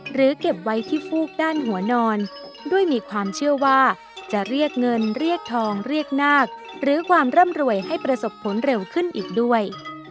เก็บไว้ที่ฟูกด้านหัวนอนด้วยมีความเชื่อว่าจะเรียกเงินเรียกทองเรียกนาคหรือความร่ำรวยให้ประสบผลเร็วขึ้นอีกด้วย